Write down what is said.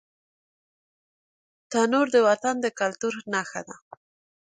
تنور د وطن د کلتور نښه ده